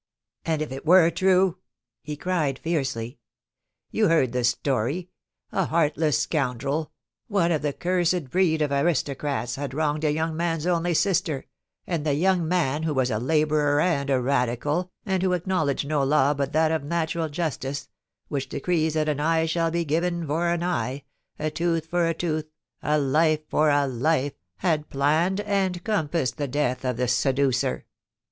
' And if it were true !' he cried fiercely. ' You heard the story. A heartless scoundrel, one of the cursed breed of aristocrats, had wronged a young man's only sister, and the young man, who was a labourer and a Radical, and who 4i8 POLICY AND PASSIOX. acknowledged no law but that of natural justice, which de crees that an eye shall be given for an eye, a tooth for a tooth, a life for a life, had planned and compassed the death of the seducer.